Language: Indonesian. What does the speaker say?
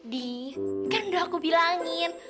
di kan udah aku bilangin